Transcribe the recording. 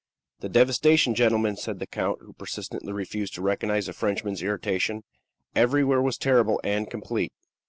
"The devastation, gentlemen," said the count, who persistently refused to recognize the Frenchman's irritation, "everywhere was terrible and complete.